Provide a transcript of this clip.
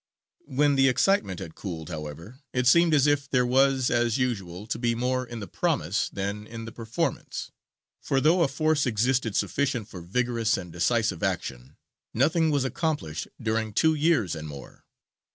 When the excitement had cooled, however, it seemed as if there was as usual to be more in the promise than in the performance, for, though a force existed sufficient for vigorous and decisive action, nothing was accomplished during two years and more.